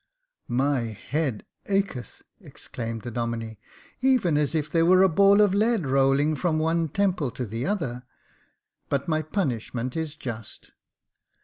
" My head acheth !" exclaimed the Domine, "even as if there were a ball of lead rolling from one temple to the other ; but my punishment is just."